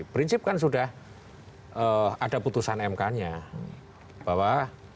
prinsip kan sudah ada putusan mk nya bahwa